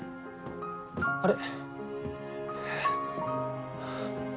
あれ？